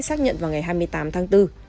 xác nhận vào ngày hai mươi tám tháng bốn